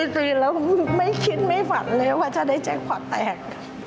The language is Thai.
จริงแล้วมึงไม่คิดไม่ฝันเลยว่าจะได้แจ้งขวัดแตก